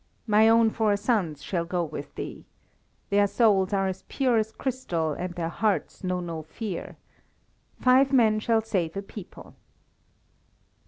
My own four sons shall go with thee. Their souls are as pure as crystal and their hearts know no fear. Five men shall save a people."